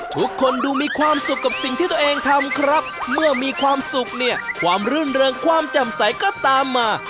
ทุกคนดูมีความสุขกับสิ่งที่ตัวเองทำครับเมื่อมีความสุขเนี่ยความรื่นเริงความแจ่มใสก็ตามมา